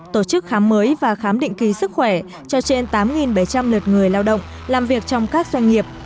tổ chức khám mới và khám định kỳ sức khỏe cho trên tám bảy trăm linh lượt người lao động làm việc trong các doanh nghiệp